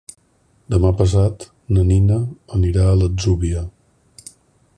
Demà passat na Nina anirà a l'Atzúbia.